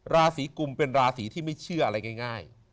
ราศีกุมเป็นราศีที่ไม่เชื่ออะไรง่าย